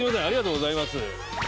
ありがとうございます。